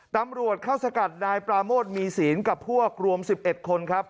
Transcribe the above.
ตำรวจเข้าสกัดนายปราโมทมีศีลกับพวกรวม๑๑คนครับ